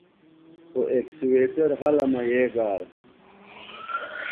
خو اکسویٹر ھلہ مہ یے گا